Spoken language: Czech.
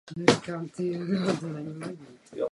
Jde o největší koncentraci zařízení v severní části New Jersey.